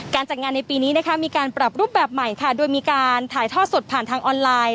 จัดงานในปีนี้นะคะมีการปรับรูปแบบใหม่ค่ะโดยมีการถ่ายทอดสดผ่านทางออนไลน์